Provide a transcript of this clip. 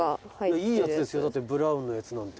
「いいやつですよだってＢＲＡＵＮのやつなんて」